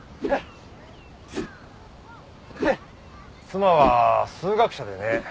妻は数学者でね。